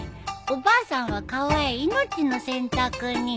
おばあさんは川へ命の洗濯に。